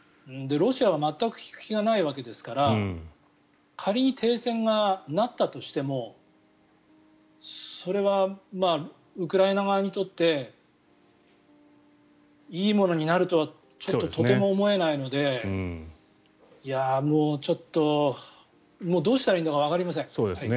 ロシアは全く聞く気がないわけですから仮に停戦がなったとしてもそれはウクライナ側にとっていいものになるとはちょっと、とても思えないのでちょっと、どうしたらいいのかわかりません。